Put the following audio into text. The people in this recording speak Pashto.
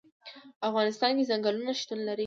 په افغانستان کې ځنګلونه شتون لري.